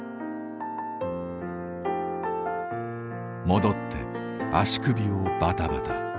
戻って足首をバタバタ。